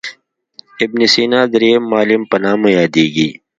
ابن سینا درېم معلم په نامه یادیږي.